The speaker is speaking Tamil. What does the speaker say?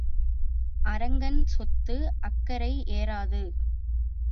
அரங்கன் சொத்து அக்கரை ஏறாது.